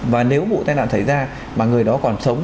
và nếu vụ tai nạn xảy ra mà người đó còn sống